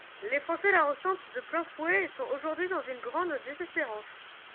Les Français la ressentent de plein fouet et sont aujourd’hui dans une grande désespérance.